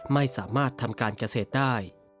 ไม่สามารถทำการเกษตรได้